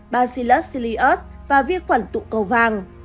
bacillus cereus và vi khuẩn tụ cầu vàng